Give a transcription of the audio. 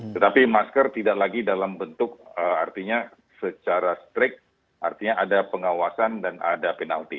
tetapi masker tidak lagi dalam bentuk artinya secara strict artinya ada pengawasan dan ada penalti